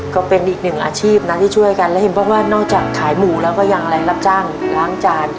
ก็เป็นอีกหนึ่งอาชีพนะที่ช่วยกันแล้วเห็นบอกว่านอกจากขายหมูแล้วก็ยังแรงรับจ้างล้างจาน